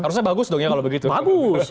harusnya bagus dong ya kalau begitu bagus